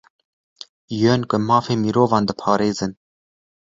Yên ku mafê mirovan diparêzin